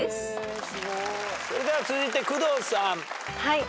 それでは続いて工藤さん。